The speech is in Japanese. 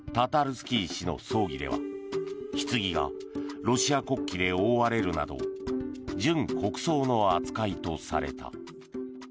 スキー氏の葬儀ではひつぎがロシア国旗で覆われるなど準国葬の扱いとされた。